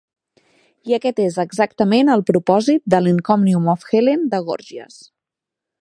I aquest és exactament el propòsit de l'"Encomium of Helen" de Gorgias.